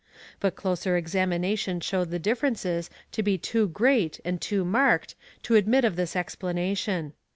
But closer examination showed the .differences to be too great and too marked to admit of this explanation.